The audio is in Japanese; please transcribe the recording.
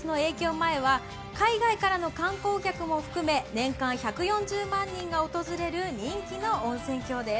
前は海外からの観光客も含め、年間１４０万人が訪れる人気の温泉郷です。